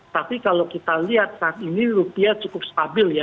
tapi kalau kita lihat saat ini rupiah cukup stabil ya